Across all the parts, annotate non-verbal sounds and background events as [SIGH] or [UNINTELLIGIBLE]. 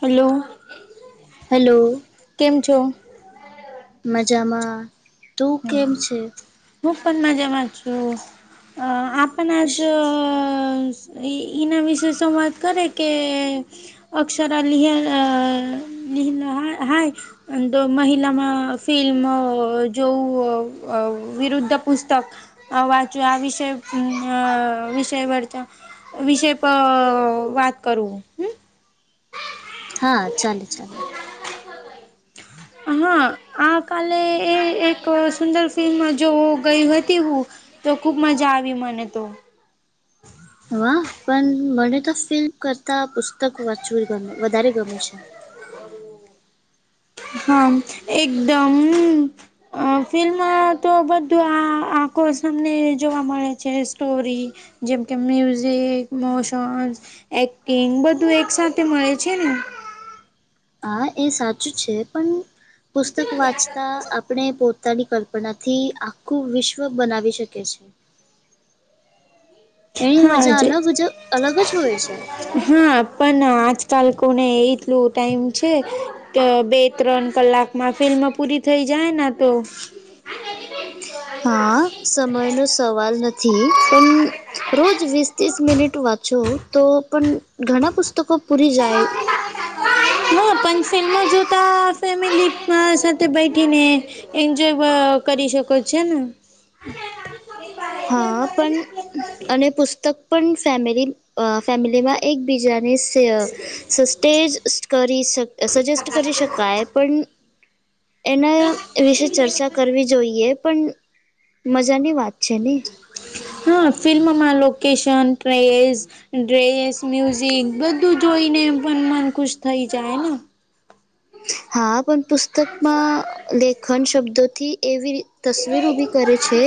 Hello. Hello. કેમ છો? મજામાં. તું કેમ હમ્મ છે? હુ પણ મજામાં છું અ આપ પના જ અ સ ઈ એના વિશે સંવાદ કરે કે અક્ષરા લીહન અ લીહન હાય હાય અન દો મહિલામાં ફિલ્મો જોવુ અ અવ વિરુદ્ધ પુસ્તક આ વાચું આ વિષય અ વિષય વરતા વિષય પર વાત કરવું હમ્મ હા, ચાલે ચાલે હા, આ કાલે એ એક સુંદર ફિલ્મ જોવ ગઈ હતી હું તો ખુબ મજા આવી મને તો. હા, પણ મને તો ફીલમ કરતા પુસ્તક વાચવું ગમે વધારે ગમે છે. [INAUDIBLE] હા, એકદમ આ ફિલ્મા તો બધું આ આ કોર્સ અમને જોવા મળે છે સ્ટોરી જેમ કે મ્યુઝિક, મોશન, એક્ટિંગ બધું એક સાથે મળે છે ને હા, એ સાચું છે પણ પુસ્તક વાંચતા આપણે પો તાની કલ્પના થી આખું વિશ્વ બનાવી શકે છે. એની હા મજા જે અલગ જ અલગ જ હોય છે. હા, પણ આજકાલ કોને એટલું ટાઈમ છે ત બે-ત્રણ કલાક માં ફિલ્મ પૂરી થઈ જાય તો હા, સમયનો સવાલ નથી પણ રોજ વીસ ત્રીસ મિનિટ વાંચો તો પણ ઘણા પુસ્તકો પૂરી જાય હું પણ ફિલ્મ જોતા ફેમિલી સાથે બેઠીને એન્જોય કરી શકો છે ને હા પણ અને પુસ્તક પણ ફેમિલી અ ફેમિલીમાં એકબીજાને સ સસ્ટે કરી શક સજેસ્ટ કરી શકાય પણ એના વિશે ચર્ચા કરવી જોઈએ પણ મજાની વાત છે ને હા ફિલ્મમાં માનલો કેશન ટ્રેસ ડ્રેસ મ્યુઝિક બધું જોઈને એ પણ મન ખુશ થઈ જાય ને હા પણ પુસ્તકમાં લેખન શબ્દોથી એવી રી તસવીર ઉભી કરે છે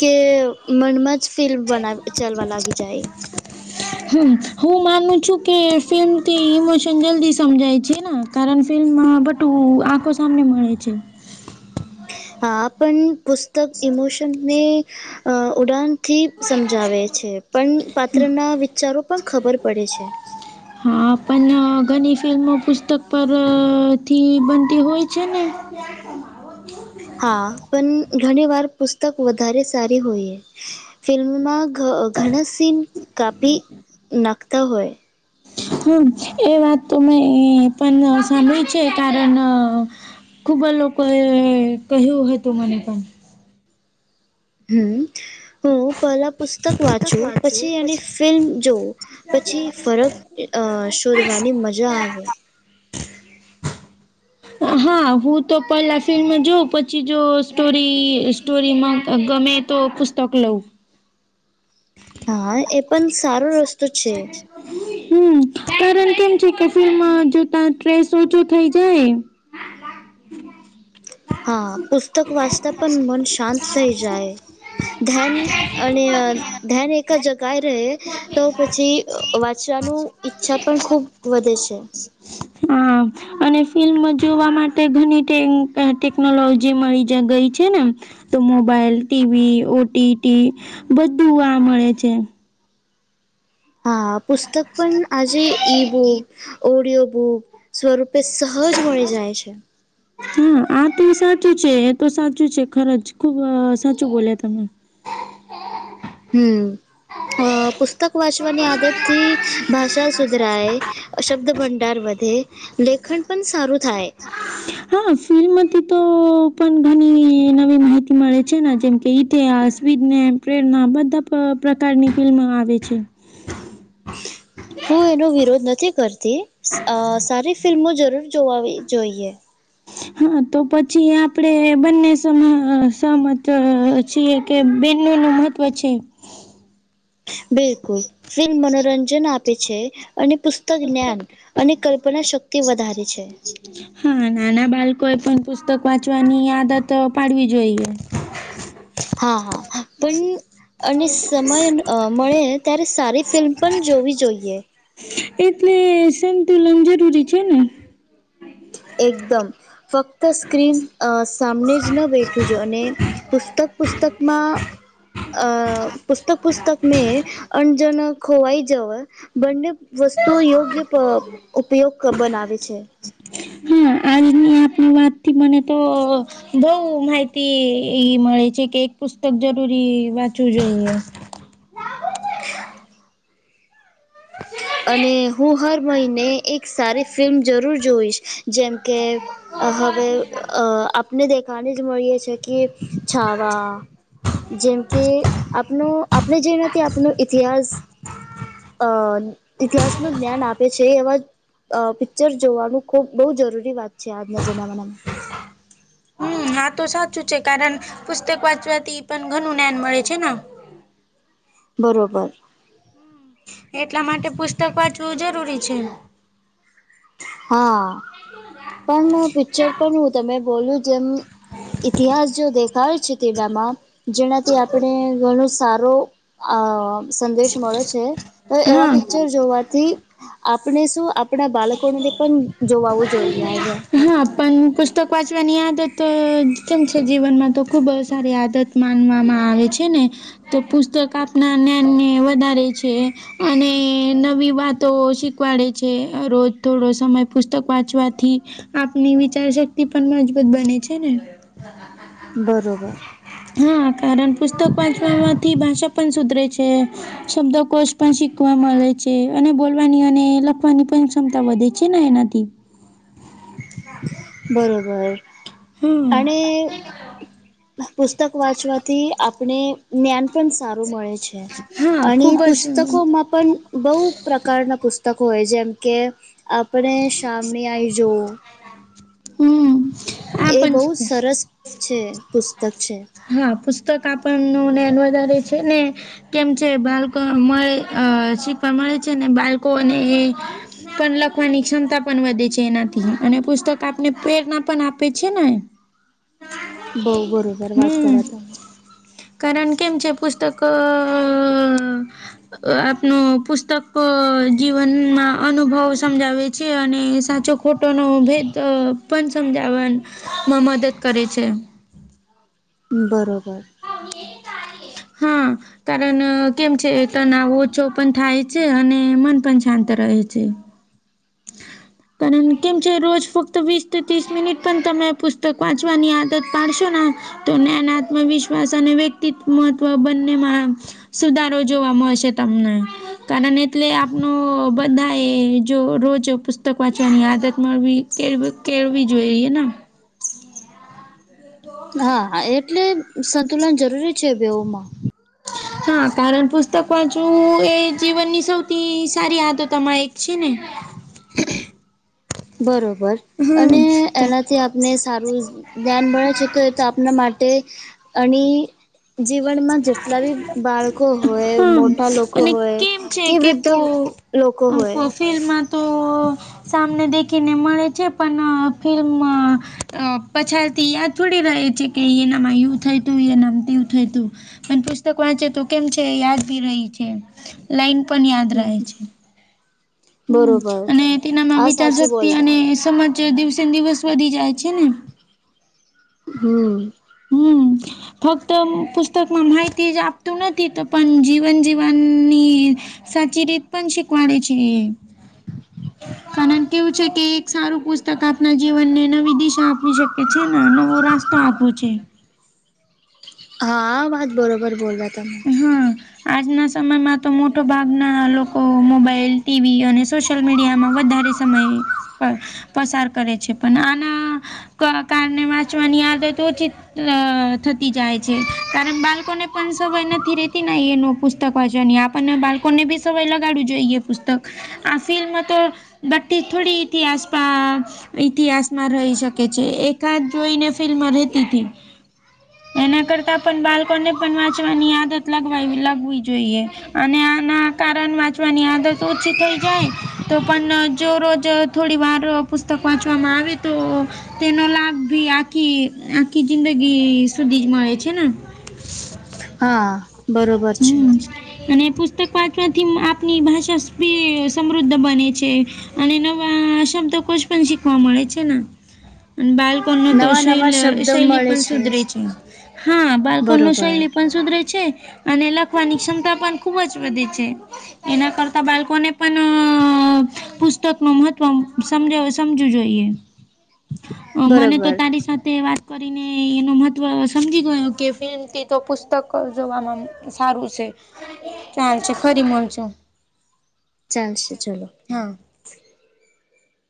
કે મનમજ ફિલ્મ બના ચલાવા લાગી જાય હમ્મ હું માનું છું કે ફિલ્મથી ઇમોશન જલ્દી સમજાય છે ને કારણ ફિલ્મમાં બટું આંખો સામને મળે છે હા આપન પુસ્તક ઇમોશન ને અ ઉડાનથી સમજાવે છે પણ પાત્રના વિચારો પણ ખબર પડે છે હા પણ ઘણી ફિલ્મો પુસ્તક પરથી બનતી હોય છે ને હા પણ ઘણી વાર પુસ્તક વધારે સારી હોઈએ ફિલ્મમાં ઘણા સીન કાપી નાખતા હોય હમ્મ એ વાત તો મેં પણ સાંભળી છે કારણ ખૂબ જ લોકોએ કહ્યું હતું મને પણ હમ હું પહેલા પુસ્તક વાંચું પછી એની ફિલ્મ જોવું પછી ફરક અ શોધવાની મજા આવે હા હું તો પહેલા ફિલ્મ જોઉ પછી જો સ્ટોરી સ્ટોરીમાં ગમે તો પુસ્તક લઉં હા એ પણ સારો રસ્તો છે હમ કારણ કેમ છે કે ફલમાં જો ત સ્ટ્રેસ ઓછો થઈ જાય હા પુસ્તક વાંચતા પણ મન શાંત થઈ જાય ધ્યાન અને ધ્યાન એક જ ગાય રહે તો પછી વાંચવાનું ઈચ્છા પણ ખૂબ વધે છે હા અને ફિલ્મ જોવા માટે ઘણી ટેકનોલોજી મળી ગઈ છે ને તો મોબાઈલ ટીવી ઓટીટી બધું આ મળે છે હા પુસ્તક પણ આજે ઈ બુક ઓડિયો બુક સ્વરૂપે સહજ મળી જાય છે હા આ તો સાચું છે એ તો સાચું છે ખર જ ખુબ સાચું બોલ્યા તમે હમ અ પુસ્તક વાંચવાની આદત થી ભાષા સુધરાય શબ્દ ભંડાર વધે લેખન પણ સારું થાય અ હા ફિલ્મથી તો પણ ઘણી નવી માહિતી મળે છે જેમ એતે અશ્વિતને પ્રેરણા બધા પ્રકારની ફિલ્મ આવે છે હું એનો વિરોધ નથી કરતી સારી ફિલ્મો જરૂર જોવા જોઈએ હા તો પછી આપડે બંને સ સમત કે બનો નું મહત્વ છે બિલકુલ ફિલ્મ મનોરંજન આપે છે અને પત જ્ઞાન અને કલ્પના શક્તિ વધારે છે હા નાના બાળકો એ પણ પુસ્તક વાંચવાની આદત પાડવી જોઈએ હા હા પણ અને સમય મળે ત્યારે સારી ફિલ્મ પણ જોવી જોઈએ એટલે સંતુલન જરૂરી છે ને એકદમ ફક્ત સ્ક્રીન સામને જ ન બેઠું છે જો અને પુસ્તક પુસ્તકમાં પુસ્તક પુસ્તક મે અણજણ ખોવાઈ જવ બંને વસ્તુઓ યોગ્ય ઉપયોગ બનાવે છે હા આજની આપની વાતથી મને તો બઉ માહિતી એ મળે છે કે એક પુસ્તક જરૂરી વાંચવું જોઈએ અને હું હર મહિને એક સારી ફિલ્મ જરૂર જોઈશ જેમ કે હવે આપને દેખાને જ મળીએી કે છાવા જેમ કે આપનો આપણે જેનાથી આપનો ઇતિહાસ અ ઇતિહાસ ન જ્ઞાન આપે છે એવા અ પિક્ચર જોવાનું ખૂબ બહુ જરૂરી વાત છે આજના જમામાનામાં હા હમ હા તો સાચું છે કારણ પુસ્તક વાંચવાથી પણ ઘણું જ્ઞાન મળે છે ને બરાબર એટલા માટે પુસ્તક વાંચવું જરૂરી છે હા પણ પિક્ચર પણ હું તમે બોલું જેમ ઇતિહાસ જો દેખાય છે તેમાં જેનાથી આપણે ઘણો સારો હ સંદેશ મળે છે તો એવા હા પિક્ચર જોવાથી આપણે શું આપણા બાળક પણ જોવું જોઈએ હ પન પુસ્તક વાંચવાની આદત કેમ છે જીવનમાં? તો ખૂબ સારી આદત માનવામાં આવે છે ને! તો પુસ્તક આપના જ્ઞાનને વધારે છે. અને નવી વાતો શીખવાડે છે, રોજ થોડો સમય પુસ્તક વાંચવાથી, આપની વિચારશક્તિ પણ મજબૂત બને છે ને! બરોબર [UNINTELLIGIBLE] હા, કારણ પુસ્તક વાંચવામાંથી ભાષા પણ સુધરે છે. શબ્દોકોશ પણ શીખવા મલે છે અને બોલવાની અને લખવાની પન ક્ષમતા વધે છે ને એનાથી? દી બરોબર, અણે પુસ્તક વાંચવાથી આપણે જ્ઞાન પણ સારું મળે છે, હા ખૂબ આણી જ પુસ્તકોમાં પણ બહુ પ્રકારના પુસ્તકો હોય જેમ કે આપણે શામી આઈ જોઉં હમ આ એ પણ બહુ છે સરસ છે, પુસ્તક છે. હા, પુસ્તક આપણનું ને, વધારે છે ને કેમ છે બાળકો મળે અ શીખવા મળે છે ને, બાળકોને એ પન લખવાની ક્ષમતા પન વધે છે એનાથી અને પુસ્તક આપને પ્રેરના પન આપે છે ને! બઉ બરોબર વાત હમ કરયા તમે કારણ કેમ જે પુસ્તક આપનું પુસ્તક જીવનમાં અનુભવ સમજાવે છે અને સાચો ખોટોનો ભેદ અ પન સમજાવવામાં મદદ કરે છે. બરોબર હા કારન કેમ છે, તનાવ ઓછો પન થાય છે અને મન પન શાંત રહે છે. હ કારન કેમ છે, રોજ ફક્ત વીસ થી તોસ મિનિટ પન તમે પુસ્તક વાંચવાની આદત પાડશો ના, તો જ્ઞાન, આત્મવિશ્વાસ અને વ્યક્તિત મહત્વ બંનેમાં સુધારો જોવા મળશે તમને, કારણ એટલે, આપનો બધા એ જો રોજ જો પુસ્તક વાંચવાની આદતમાં બી કેળવ, કેળવી જોઈએ ના? હા, હા એટલે સંતુલન જરૂરી છે, બેઉમાં. હા, કારન પુસ્તક વાંચું, એ જીવનની સૌથી, સારી આદતમાં એક છે ને? બરોબર અને હમ્મ. એના થી આપને સારું ધ્યાન મળે છે તો એ તો આપના માટે અણી જીવનમાં જેટલા બી બાળકો હોય, મોટા હા લોકો હોય, કે વૃદ્ધો ફ ફિલ્માં તો સામને દેખીને મળે છે, પણ ફિલ્મ પછાડથી યાદ થોડી રહે છે કે યેનામાં યું થયુંતુ, યેનામાં તેવું થયુતું? પન પુસ્તક વાંચે તો કેમ છે, યાદ ભી રહી છે! લાઇન પન યાદ રહે છે. હમ, બરોબર અને તેનામાં હા સાચું વિચારસક્તિ અને બોલવા સમાચાર દિવસે દિવસ વધી જાય છે ને! હમ હમ ફક્ત પુસ્તકમાં માહિતી જ આપતું નથી, તો પન જીવન જીવનની સાચી રીત પન શીખવાડે છે એ. કારન કેવું છે કે એક સારું પુસ્ત તક આપના જીવનને નવી દિશા આપી શકે છે ના, નવો રાસ્તો આપુ છે. હા, આ વાત બરોબર બોલ્યા તમે હા આજના સમયમાં તો મોટો ભાગના લોકો મોબાઈલ, ટીવી અને સોશિયલ મીડિયામાં વધારે સમય પળ પસાર કરે છે, પન આના કારણે વાચમાંની દ હોય તો ચિત અ થતી જાય છે કારણ બાળકોને પણ સવાય નથી રતી એનું પુસ્તક વાંચવા હી આપણને બાળકોને બી સવાય લગાડું જોઈએ એ પુસ્તક આ ફિલ્મ તો બટ થોડી હતીથી આસપ ઇતિહાસમાં રહી શકે છે એકાદ જોઈને ફિલ્મ રહેતીથી એના કરતા પણ બાળકોને પણ વાંચવાની આદત લગવા લગવી જોઈએ અને આના કારણ વાંચવાની આદત ઓછી થઈ જાય તો પણ જો રોજ થોડી વાર પુસ્તક વાંચવામાં આવે તો તેનો લાભ ભી આખી આખી જિંદગી સુધી જ મળે છે ને હા બરોબર છે હમ અને પુસ્તક વાંચવાથી આપની ભાષાી સમૃદ્ધ બને છે અને એનો આ શબ્દ કો પણ શીખવા મળે છે ને બાલ કો તો નવા શૈ નવા શબ્દ શૈલી મળે પણ સુધરે છે હા બાલકો બરોબર શૈલી પણ સુધરે છે અને લખવાની ક્ષમતા પણ ખુબ જ વધે છે એના કરતાં બાળકોને પણ પુસ્તક ન મહત્ત્વ સમ સમજવું જોઈએ મને તો બરોબર તારી સાથે વાત કરીને એનો મહત્ત્વ સમજી ગયો કે ફિલ્મથી તો પુસ્તક જોવામાં સારું છે ચાલ છે ખરી મળજો ચાલશે ચાલો હા